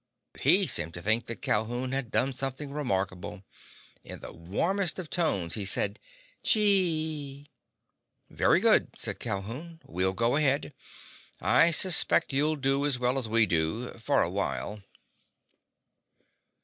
But he seemed to think that Calhoun had done something remarkable. In the warmest of tones he said: "Chee!" "Very good," said Calhoun. "We'll go ahead. I suspect you'll do as well as we do—for a while."